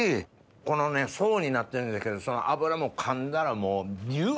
このね層になってるんやけどその脂も噛んだらもうジュワ！